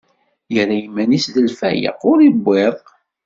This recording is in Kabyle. Irra iman-is d lfayeq, ur iwwiḍ.